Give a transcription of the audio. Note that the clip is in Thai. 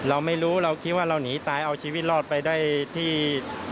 เราไม่รู้เราคิดว่าเราหนีตายเอาชีวิตรอดไปได้ที่